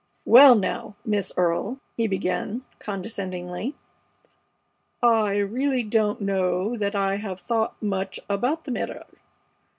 "Well, now, Miss Earle," he began, condescendingly, "I really don't know that I have thought much about the matter.